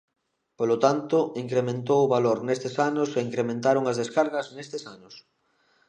Polo tanto, incrementou o valor nestes anos e incrementaron as descargas nestes anos.